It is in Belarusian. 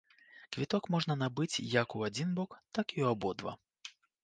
Квіток можна набыць як у адзін бок, так і ў абодва.